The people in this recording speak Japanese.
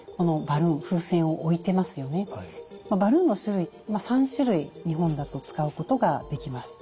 バルーンの種類３種類日本だと使うことができます。